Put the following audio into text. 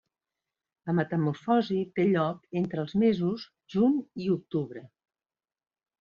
La metamorfosi té lloc entre els mesos juny i octubre.